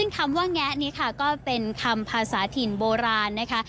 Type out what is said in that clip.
คำว่าแงะนี้ค่ะก็เป็นคำภาษาถิ่นโบราณนะคะ